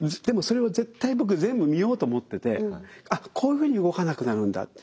でもそれを絶対僕全部見ようと思っててあっこういうふうに動かなくなるんだ。